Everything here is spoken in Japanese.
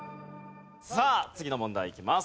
さあ次の問題いきます。